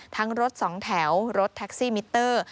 รถสองแถวรถแท็กซี่มิเตอร์